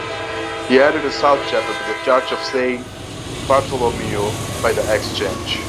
He added a south chapel to the church of Saint Bartholomew-by-the-Exchange.